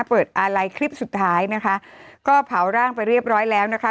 อาลัยคลิปสุดท้ายนะคะก็เผาร่างไปเรียบร้อยแล้วนะคะ